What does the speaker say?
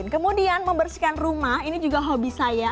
kemudian membersihkan rumah ini juga hobi saya